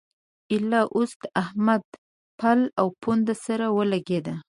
ايله اوس د احمد پل او پونده سره ولګېده.